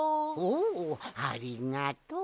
おおありがとう！